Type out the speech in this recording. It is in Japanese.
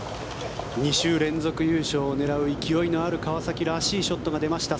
２週連続優勝を狙う勢いのある川崎らしいショットが出ました。